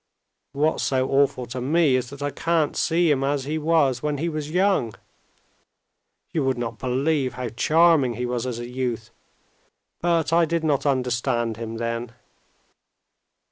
"What's so awful to me is that I can't see him as he was when he was young. You would not believe how charming he was as a youth, but I did not understand him then."